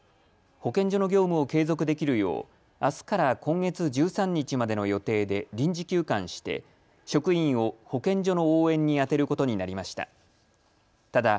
保健所の業務を継続できるようあすから今月１３日までの予定で臨時休館して職員を保健所の応援に充てることになりました。